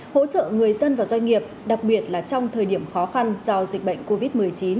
hỗ trợ người dân và doanh nghiệp đặc biệt là trong thời điểm khó khăn do dịch bệnh covid một mươi chín